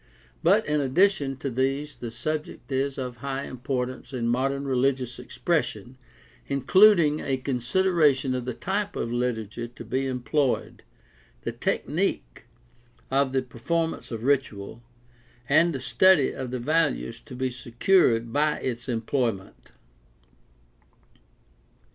But in addition to these the subject is of high importance in modern religious expression, including a consideration of the type of liturgy to be employed, the technique of the performance 'of ritual, and a study of the values to be secured by its employment.